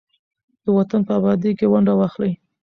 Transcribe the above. د وطن په ابادۍ کې ونډه واخلئ.